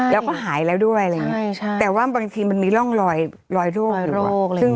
แล้วก็หายแล้วด้วยแต่มันมีร่องรอยโรค